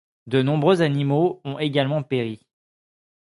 De nombreux animaux ont également péri.